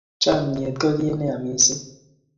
chamyet ko kiy ne ya missing